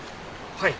はい。